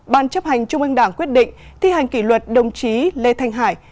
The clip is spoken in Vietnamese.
năm bàn chấp hành trung ương đảng quyết định thi hành kỷ luật đồng chí lê thanh hải